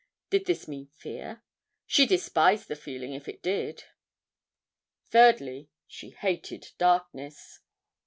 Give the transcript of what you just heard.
Did this mean fear? She despised the feeling if it did. Thirdly: She hated darkness.